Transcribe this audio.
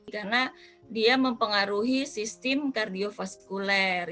karena dia mempengaruhi sistem kardiofaskuler